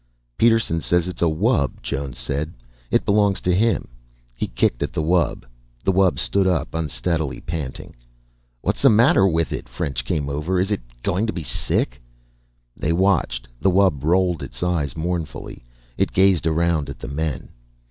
"Peterson says it's a wub," Jones said. "It belongs to him." He kicked at the wub. The wub stood up unsteadily, panting. "What's the matter with it?" French came over. "Is it going to be sick?" They watched. The wub rolled its eyes mournfully. It gazed around at the men.